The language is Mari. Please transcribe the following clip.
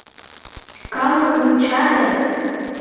— Калыкым чаре!